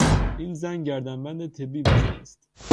این زن گردن بند طبی بسته است..